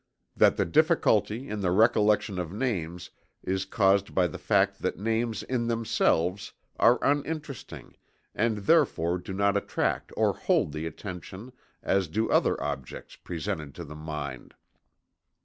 that the difficulty in the recollection of names is caused by the fact that names in themselves are uninteresting and therefore do not attract or hold the attention as do other objects presented to the mind.